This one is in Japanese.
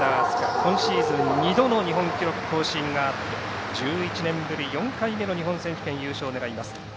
今シーズン２度の日本記録更新があって１１年ぶり４回目の日本選手権優勝を狙います。